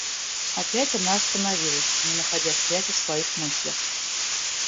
Опять она остановилась, не находя связи в своих мыслях.